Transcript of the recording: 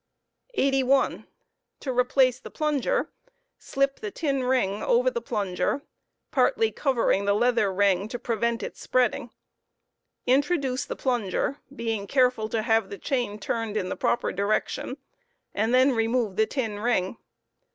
.*,■ pittngei[ opla00 81 * T° ^Pl* 06 ft* plunger, slip the tin ring over the plunger, partly covering the leather ring to prevent its spreading. Introduce the plunger, being careftd to have the chain turned in the proper direction, and then remove the tin ring.